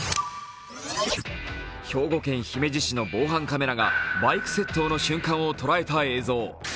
兵庫県姫路市の防犯カメラがバイク窃盗の瞬間を捉えた映像。